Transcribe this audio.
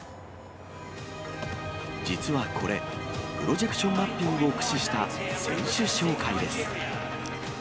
実はこれ、プロジェクションマッピングを駆使した選手紹介です。